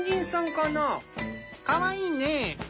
かわいいね！